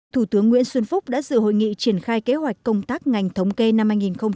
thủ tướng nguyễn xuân phúc đã dự hội nghị triển khai kế hoạch công tác ngành thống kê năm hai nghìn hai mươi